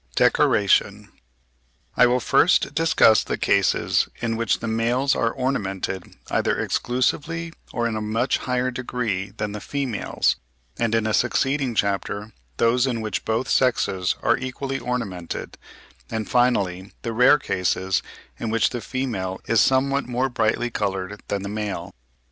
DECORATION. I will first discuss the cases in which the males are ornamented either exclusively or in a much higher degree than the females, and in a succeeding chapter those in which both sexes are equally ornamented, and finally the rare cases in which the female is somewhat more brightly coloured than the male.